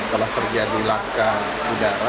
telah terjadi laka udara